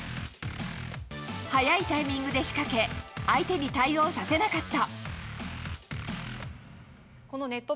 早いタイミングで仕掛け相手に対応させなかった。